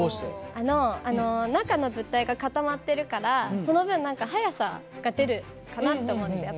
あの中の物体が固まってるからその分何か速さが出るかなって思うんですやっぱり。